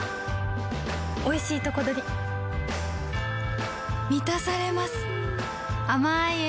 おいしいとこどりみたされます